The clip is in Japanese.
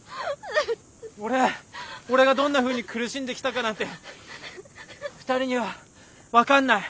俺俺がどんなふうに苦しんできたかなんて２人には分かんない。